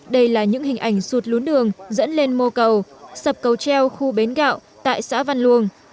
đây là những hình ảnh sụt lún đường dẫn lên mô cầu sập cầu treo khu bến gạo tại xã văn luông